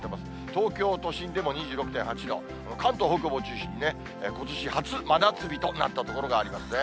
東京都心でも２６．８度、関東北部を中心にね、ことし初真夏日となった所がありますね。